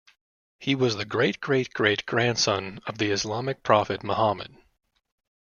He was the great-great-great grandson of the Islamic Prophet Mohammed.